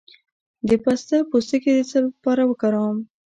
د پسته پوستکی د څه لپاره وکاروم؟